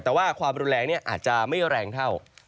แต่ว่าความรุนแรงอาจจะไม่แรงเท่า